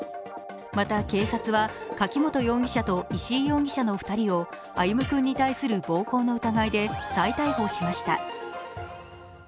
また警察は柿本容疑者と石井容疑者の２人を歩夢君に対する暴行の疑いで再逮捕しました。